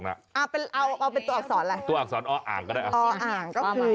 เอาไปตัวอักษรอะไรตรงนั้นออ่างก็ได้ออ่างก็คืออออ่างแอดอาแอดนี้